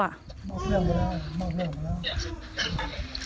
มอบเรื่องไปแล้วมอบเรื่องแล้ว